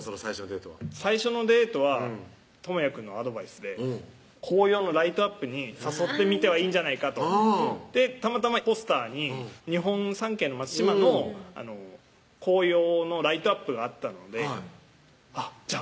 その最初のデートは最初のデートはともやくんのアドバイスで「紅葉のライトアップに誘ってみてはいいんじゃないか」とたまたまポスターに日本三景の松島の紅葉のライトアップがあったのでじゃあ